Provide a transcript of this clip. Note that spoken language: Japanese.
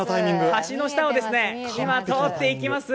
橋の下を今、通っていきます。